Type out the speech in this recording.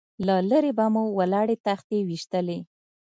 له لرې به مو ولاړې تختې ويشتلې.